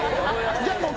じゃもう。